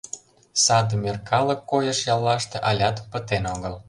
Саде «мер калык» койыш яллаште алят пытен огыл.